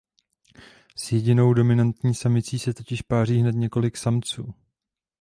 S jedinou dominantní samicí se totiž páří hned několik samců.